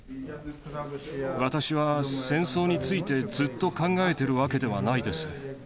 私は戦争についてずっと考えているわけではないです。